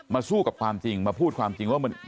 สู้กับความจริงมาพูดความจริงว่า